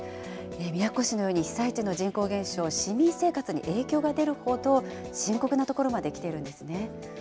宮古市のように被災地の人口減少、市民生活に影響が出るほど深刻なところまできているんですね。